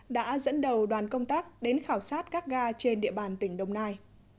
đã dẫn đầu đoàn công tác đến khảo sát các ga trên địa bàn tỉnh đồng nai